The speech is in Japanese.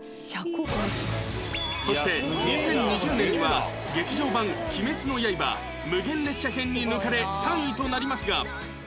そして２０２０年には『劇場版「鬼滅の刃」無限列車編』に抜かれ３位となりますが